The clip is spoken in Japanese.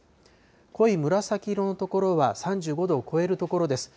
濃い紫色の所は３５度を超える所です。